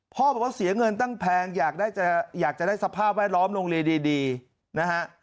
บอกว่าเสียเงินตั้งแพงอยากจะได้สภาพแวดล้อมโรงเรียนดีนะฮะ